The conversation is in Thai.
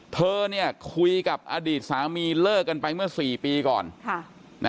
เธอคุยกับอดีตสามีเลิกกันไปเมื่อ๔ปีก่อน